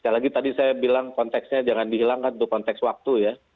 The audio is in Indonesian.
sekali lagi tadi saya bilang konteksnya jangan dihilangkan untuk konteks waktu ya